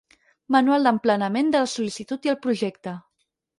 Manual d'emplenament de la sol·licitud i el projecte.